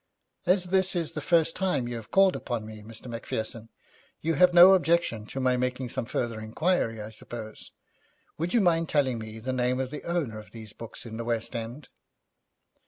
'As this is the first time you have called upon me, Mr. Macpherson, you have no objection to my making some further inquiry, I suppose. Would you mind telling me the name of the owner of these books in the West End?'